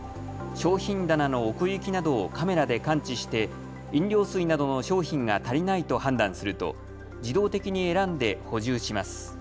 商品棚の奥行きなどをカメラで感知して飲料水などの商品が足りないと判断すると自動的に選んで補充します。